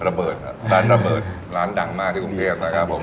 ระเบิดอ่ะร้านระเบิดร้านดังมากที่กรุงเทพนะครับผม